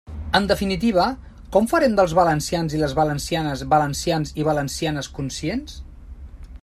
En definitiva, ¿com farem dels valencians i les valencianes valencians i valencianes conscients?